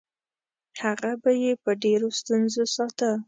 هغه به یې په ډېرو ستونزو ساته.